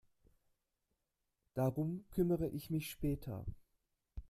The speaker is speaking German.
Darum kümmere ich mich später.